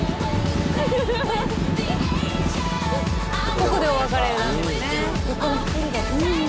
ここでお別れなんですね。